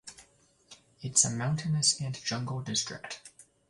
It’s a mountainous and jungle district.